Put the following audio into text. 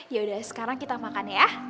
yaudah sekarang kita makan ya